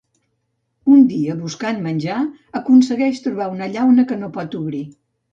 Un dia buscant menjar aconsegueix trobar una llauna que no pot obrir.